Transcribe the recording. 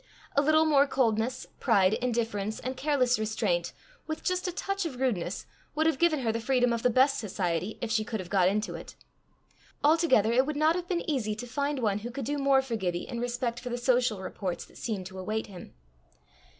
A little more coldness, pride, indifference, and careless restraint, with just a touch of rudeness, would have given her the freedom of the best society, if she could have got into it. Altogether it would not have been easy to find one who could do more for Gibbie in respect for the social rapports that seemed to await him.